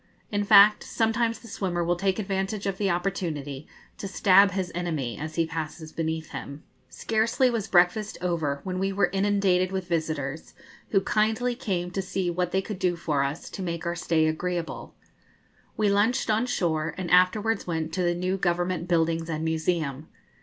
In fact, sometimes the swimmer will take advantage of the opportunity to stab his enemy as he passes beneath him. Scarcely was breakfast over when we were inundated with visitors, who kindly came to see what they could do for us to make our stay agreeable. We lunched on shore, and afterwards went to the new Government buildings and museum.